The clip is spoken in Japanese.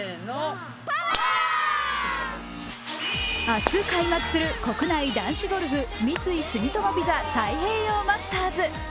明日開幕する国内男子ゴルフ三井住友ＶＩＳＡ太平洋マスターズ。